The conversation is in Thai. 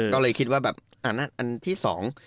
ก็เลยคิดว่าแบบอันที่สอง